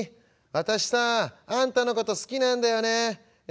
「私さあんたのこと好きなんだよね」。